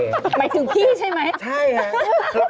หมายถึงพี่ใช่ไหมใช่ค่ะ